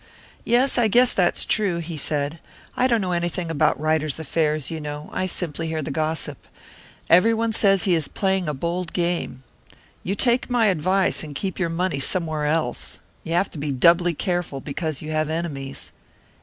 "Yes, I guess that's true," he said. "I don't know anything about Ryder's affairs, you know I simply hear the gossip. Everyone says he is playing a bold game. You take my advice, and keep your money somewhere else. You have to be doubly careful because you have enemies."